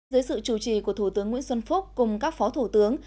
dưới sự chủ trì của thủ tướng nguyễn xuân phúc cùng các phó thủ tướng